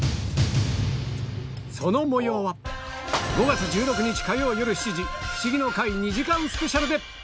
その模様は５月１６日火曜よる７時『フシギの会』２時間スペシャルで！